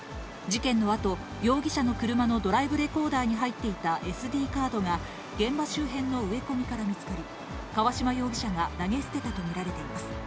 事件のあと、容疑者の車のドライブレコーダーに入っていたＳＤカードが、現場周辺の植え込みから見つかり、川島容疑者が投げ捨てたと見られています。